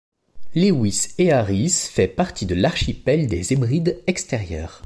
Lewis et Harris fait partie de l'archipel des Hébrides extérieures.